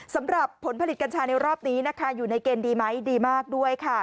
สำหรับผลผลิตกัญชาในรอบนี้นะคะอยู่ในเกณฑ์ดีไหมดีมากด้วยค่ะ